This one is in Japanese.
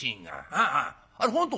「ああああ。あれ本当？」。